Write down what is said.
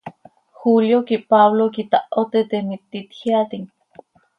¿Julio quih Pablo quih itaho teete, miti itjeaatim?